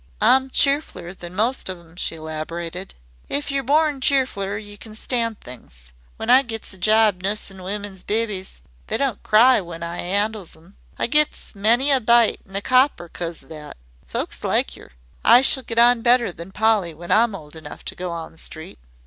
"I 'm cheerfler than most of 'em," she elaborated. "If yer born cheerfle yer can stand things. When I gets a job nussin' women's bibies they don't cry when I 'andles 'em. I gets many a bite an' a copper 'cos o' that. Folks likes yer. I shall get on better than Polly when I'm old enough to go on the street."